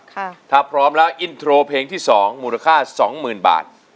ถ้าพร้อมแล้วอินโทรเพลงที่สองมูลค่าสองหมื่นบาท